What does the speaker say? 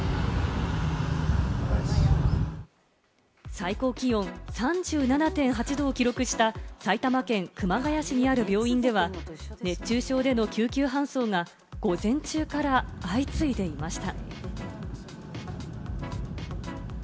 最高気温３７．８度を記録した埼玉県熊谷市にある病院では、熱中症での救急搬送が午前中から相次いでいました。